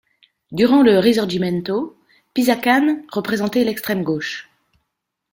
Durant le Risorgimento, Pisacane représentait l’extrême gauche.